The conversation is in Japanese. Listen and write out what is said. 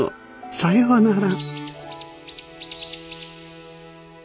さようなら。